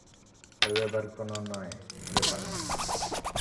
তবে ব্যাপার নয় কোনো, ব্যাপার নয়।